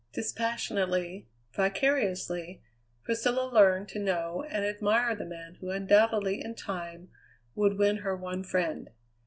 Dispassionately, vicariously, Priscilla learned to know and admire the man who undoubtedly in time would win her one friend.